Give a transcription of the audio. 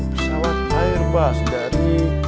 pesawat airbus dari